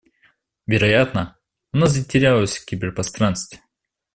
Вероятно, оно затерялось в киберпространстве.